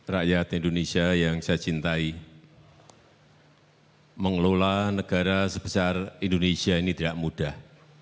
rakyat indonesia yang saya cintai mengelola negara sebesar indonesia ini tidak mudah